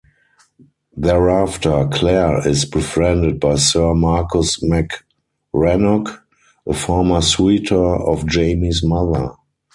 Thereafter Claire is befriended by Sir Marcus MacRannoch, a former suitor of Jamie's mother.